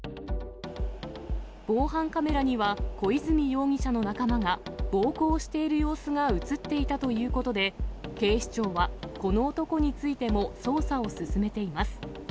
防犯カメラには、小泉容疑者の仲間が暴行している様子が写っていたということで、警視庁はこの男についても捜査を進めています。